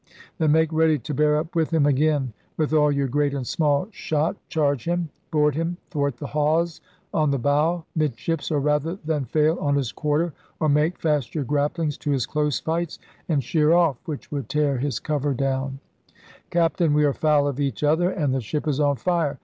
*Then make ready to bear up with him again!' *With all your great and small shot charge him, board him thwart the hawse, on the bow, mid ships, or, rather than fail, on his quarter; or make fast your grapplings to his close fights and sheer off' [which would tear his cover down]. 'Captain, we are foul of each other and the ship is on fire!'